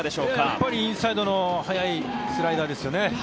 やっぱりインサイドの速いスライダーですよね。